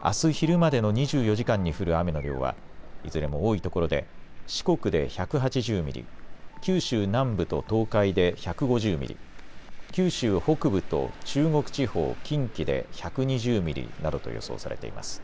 あす昼までの２４時間に降る雨の量は、いずれも多い所で四国で１８０ミリ、九州南部と東海で１５０ミリ、九州北部と中国地方、近畿で１２０ミリなどと予想されています。